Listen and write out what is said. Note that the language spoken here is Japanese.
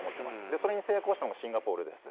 それに成功したのがシンガポールです。